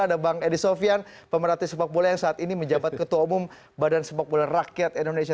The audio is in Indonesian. ada bang edi sofian pemerhati sepak bola yang saat ini menjabat ketua umum badan sepak bola rakyat indonesia